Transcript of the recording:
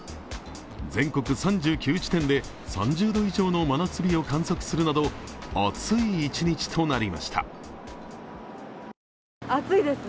全国３９地点で３０度以上の真夏日を観測するなど、暑い一日となりました。